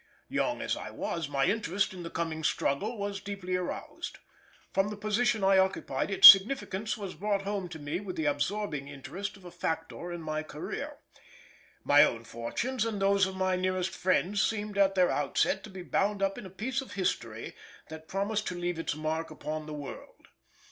Young as I was, my interest in the coming struggle was deeply aroused. From the position I occupied its significance was brought home to me with the absorbing interest of a factor in my career. My own fortunes and those of my nearest friends seemed at their outset to be bound up in a piece of history that promised to leave its mark upon the world.